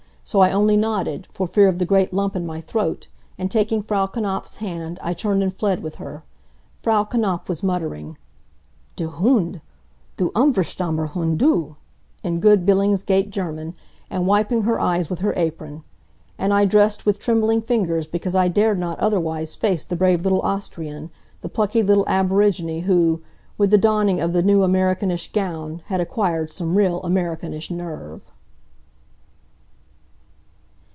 So I only nodded, for fear of the great lump in my throat, and taking Frau Knapf's hand I turned and fled with her. Frau Knapf was muttering: "Du Hund! Du unverschamter Hund du!" in good Billingsgate German, and wiping her eyes with her apron. And I dressed with trembling fingers because I dared not otherwise face the brave little Austrian, the plucky little aborigine who, with the donning of the new Amerikanische gown had acquired some real Amerikanisch nerve.